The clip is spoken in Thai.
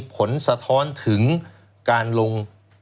สะท้อนถึงการลง